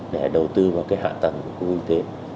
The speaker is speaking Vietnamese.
để đầu tư vào cái hạ tầng của khu kinh tế